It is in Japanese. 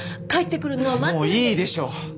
もういいでしょ。